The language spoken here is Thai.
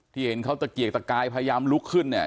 เห็นเขาตะเกียกตะกายพยายามลุกขึ้นเนี่ย